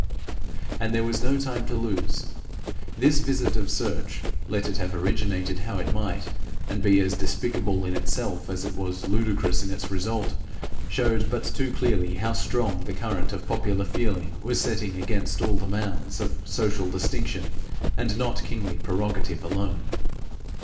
And there was no time to lose. This visit of search, let it have originated how it might, and be as despicable in itself as it was ludicrous in its result, showed but too clearly how strong the current of popular feeling was setting against all the mounds of social distinction, and not kingly prerogative alone.